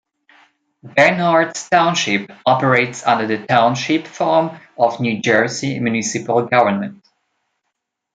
Bernards Township operates under the Township form of New Jersey municipal government.